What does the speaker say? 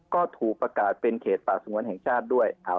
ก็ถูกประกาศเป็นเขตป่าสงวนแห่งชาติด้วย